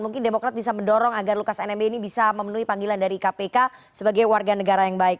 mungkin demokrat bisa mendorong agar lukas nmb ini bisa memenuhi panggilan dari kpk sebagai warga negara yang baik